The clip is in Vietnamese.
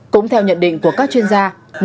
cũng theo nhận định của các chuyên gia